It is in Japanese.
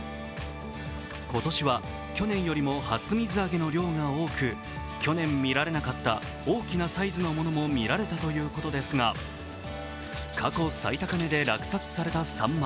今年は去年よりも初水揚げの量が多く大きなサイズのものも見られたということですが、過去最高値で落札されたサンマ。